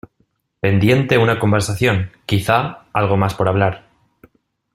Pendiente una conversación, quizá algo más por hablar.